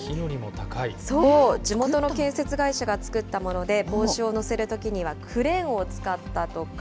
そう、地元の建設会社が作ったもので、帽子を載せるときにはクレーンを使ったとか。